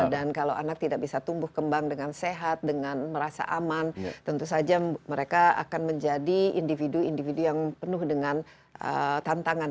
dan kalau anak tidak bisa tumbuh kembang dengan sehat dengan merasa aman tentu saja mereka akan menjadi individu individu yang penuh dengan tantangan